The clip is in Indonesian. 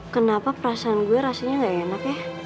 kenapa perasaan gue rasanya gak enak ya